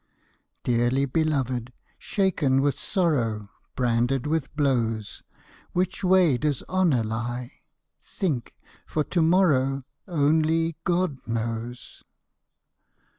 Dearly beloved, sliaken with sorrow. Branded with blows, Which way does honour lie? think ! for to morrow Only God knows